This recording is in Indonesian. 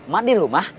mak di rumah